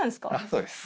そうです。